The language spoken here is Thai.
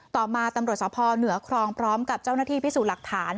ต่อมาตำรวจสภเหนือครองพร้อมกับเจ้าหน้าที่พิสูจน์หลักฐาน